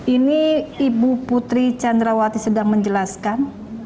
ini ibu putri candrawati sedang menjelaskan